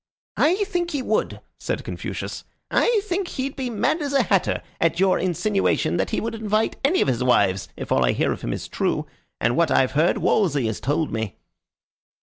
"I think he would," said Confucius. "I think he'd be as mad as a hatter at your insinuation that he would invite any of his wives, if all I hear of him is true; and what I've heard, Wolsey has told me."